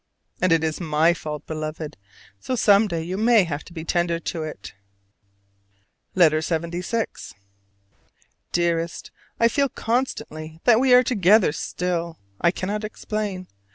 And it is my fault, Beloved: so some day you may have to be tender to it. LETTER LXXVI. Dearest: I feel constantly that we are together still: I cannot explain.